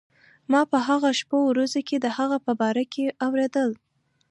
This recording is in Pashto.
ما په هغو شپو ورځو کې د هغه په باره کې اورېدل.